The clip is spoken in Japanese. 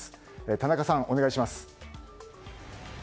田中さん、お願いします。